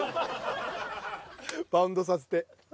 バウンドさせて。